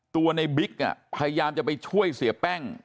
ตัวในบิ๊กพยายามจะไปช่วยเสียแป้ง